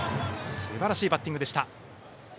すばらしいバッティングでした。